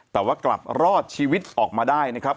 แต่ว่ากลับรอดชีวิตออกมาได้นะครับ